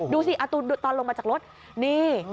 ดูสิตอนลงมาจากรถนี่